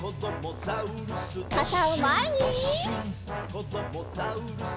「こどもザウルス